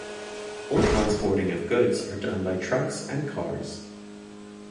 All transporting of goods are done by trucks and cars.